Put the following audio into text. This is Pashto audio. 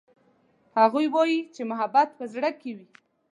هغوی وایي چې محبت په زړه کې وي